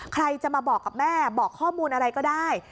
ใครจะมาบอกกับแม่บอกข้อมูลอะไรก็ได้